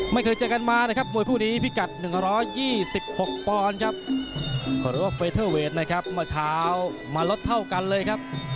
ไม่เคยเจอกันมานะครับมวยคู่นี้พิกัด๑๒๖ปอนด์ครับหรือว่าเฟเทอร์เวทนะครับเมื่อเช้ามาลดเท่ากันเลยครับ